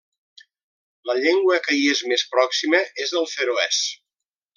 La llengua que hi és més pròxima és el feroès.